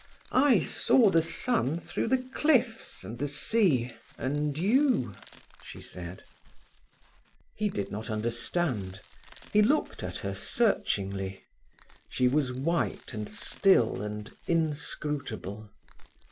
"I saw the sun through the cliffs, and the sea, and you," she said. He did not understand. He looked at her searchingly. She was white and still and inscrutable.